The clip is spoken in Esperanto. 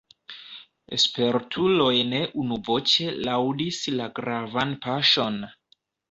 Spertuloj ne unuvoĉe laŭdis la gravan paŝon.